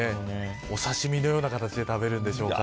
お刺し身のような形で食べるんでしょうか。